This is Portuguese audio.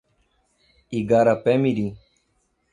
Igarapé-Miri